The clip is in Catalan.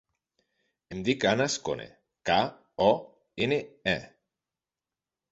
Em dic Anas Kone: ca, o, ena, e.